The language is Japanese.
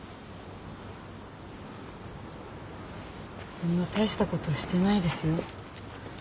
そんな大したことしてないですよ。